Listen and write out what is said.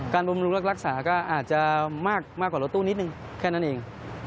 บำรุงรักษาก็อาจจะมากกว่ารถตู้นิดนึงแค่นั้นเอง